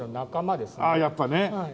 やっぱね。